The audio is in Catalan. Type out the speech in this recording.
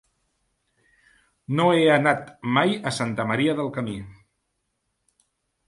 No he anat mai a Santa Maria del Camí.